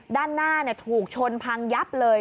ด้านหน้าถูกชนพังยับเลย